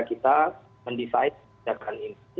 kita menutupi sebagian dari ini